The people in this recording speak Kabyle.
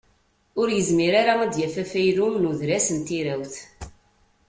Ur yezmir ara ad d-yaf afaylu n udras n tirawt.